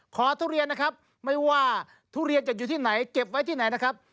ทุเรียนนะครับไม่ว่าทุเรียนจะอยู่ที่ไหนเก็บไว้ที่ไหนนะครับ